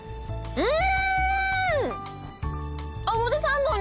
うん。